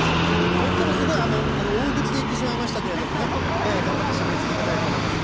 とってもすごい大口でいってしまいましたけれどもね、頑張ってしゃべり続けたいと思います。